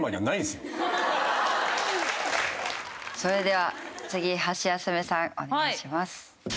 それでは次ハシヤスメさんお願いします。